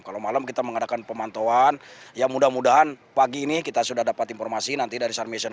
kalau malam kita mengadakan pemantauan ya mudah mudahan pagi ini kita sudah dapat informasi nanti dari sarmission